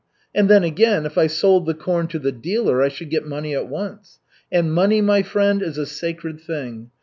And then again, if I sold the corn to the dealer, I should get money at once. And money, my friend, is a sacred thing.